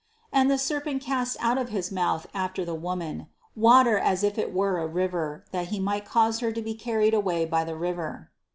15. And the serpent cast out of his mouth after the woman, water as if it were a river, that he might cause her to be carried away by the river.